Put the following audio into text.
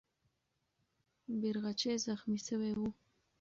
بیرغچی زخمي سوی وو.